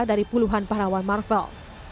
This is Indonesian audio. dari puluhan pahlawan marvel